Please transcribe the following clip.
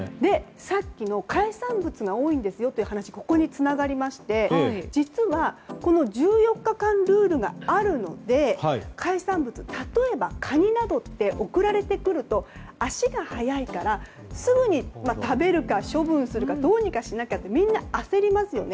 さっきの海産物が多いという話がここにつながりまして実は、１４日間ルールがあるので海産物、例えばカニなどって送られてくると足が早いからすぐに食べるか処分するかどうにかしなきゃってみんな焦りますよね。